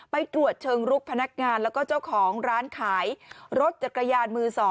ไปตรวจเชิงลุกพนักงานแล้วก็เจ้าของร้านขายรถจักรยานมือ๒